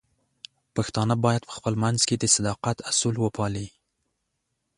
پښتانه بايد په خپل منځ کې د صداقت اصول وپالي.